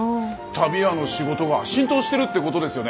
旅屋の仕事が浸透してるってことですよね。